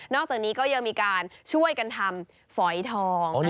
อกจากนี้ก็ยังมีการช่วยกันทำฝอยทอง